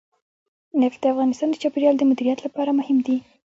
نفت د افغانستان د چاپیریال د مدیریت لپاره مهم دي.